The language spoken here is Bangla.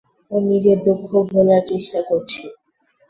ও নিজের দুঃখ ভোলার চেষ্টা করছে।